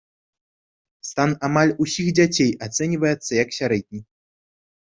Стан амаль усіх дзяцей ацэньваецца як сярэдні.